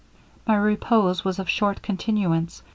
My repose was of short continuance.